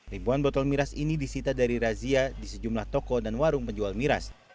ribuan botol miras ini disita dari razia di sejumlah toko dan warung penjual miras